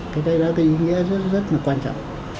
cái đấy là cái ý nghĩa rất là quan trọng